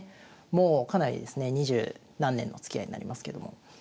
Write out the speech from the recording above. もうかなりですね二十何年のつきあいになりますけども。